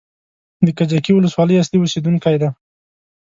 د کجکي ولسوالۍ اصلي اوسېدونکی دی.